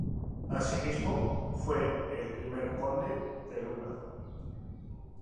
Asimismo fue el primer conde de Luna.